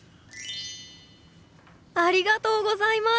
ありがとうございます。